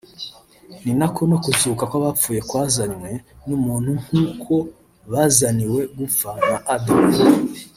ni nako no kuzuka kw’abapfuye kwazanywe n’umuntu nkuko bazaniwe gupfa na Adamu